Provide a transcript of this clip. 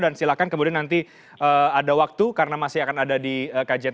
dan silakan kemudian nanti ada waktu karena masih akan ada di kajian